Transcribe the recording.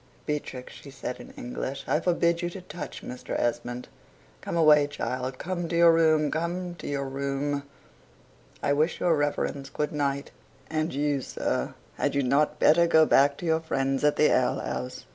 Beatrix," she said in English, "I forbid you to touch Mr. Esmond. Come away, child come to your room. Come to your room I wish your Reverence good night and you, sir, had you not better go back to your friends at the ale house?"